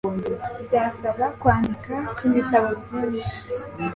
byasaba kwandika ibitabo byinshi